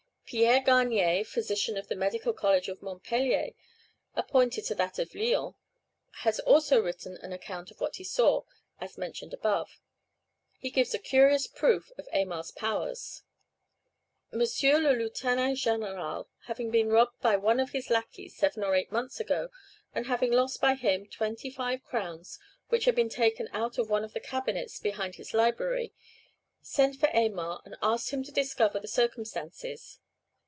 Pierre Garnier, physician of the medical college of Montpellier, appointed to that of Lyons, has also written an account of what he saw, as mentioned above. He gives a curious proof of Aymar's powers. "M. le Lieutenant Général having been robbed by one of his lackeys, seven or eight months ago, and having lost by him twenty five crowns which had been taken out of one of the cabinets behind his library, sent for Aymar, and asked him to discover the circumstances.